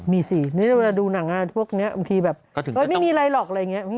มีสิเวลาดูหนังพวกนี้ก็ไม่มีอะไรหรอก